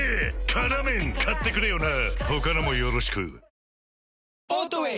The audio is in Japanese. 「辛麺」買ってくれよな！